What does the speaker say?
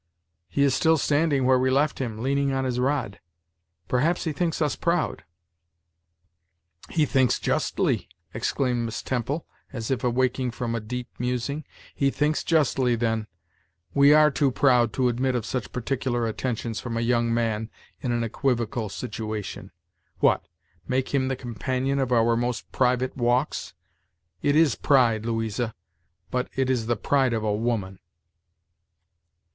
He is still standing where we left him, leaning on his rod. Perhaps he thinks us proud." "He thinks justly," exclaimed Miss Temple, as if awaking from a deep musing; "he thinks justly, then. We are too proud to admit of such particular attentions from a young man in an equivocal situation. What! make him the companion of our most private walks! It is pride, Louisa, but it is the pride of a woman."